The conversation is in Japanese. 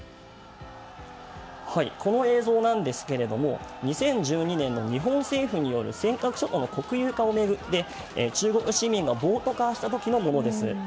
この映像なんですが２０１２年の日本政府による尖閣諸島の国有化を巡って中国市民が暴徒化した時のものです。